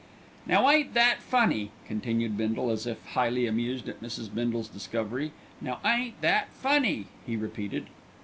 "Now ain't that funny!" continued Bindle, as if highly amused at Mrs. Bindle's discovery. "Now ain't that funny!" he repeated.